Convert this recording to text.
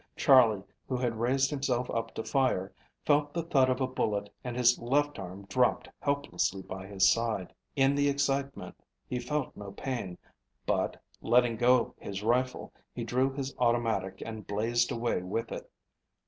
Charley, who had raised himself up to fire, felt the thud of a bullet and his left arm dropped helplessly by his side. In the excitement he felt no pain, but, letting go his rifle, he drew his automatic and blazed away with it.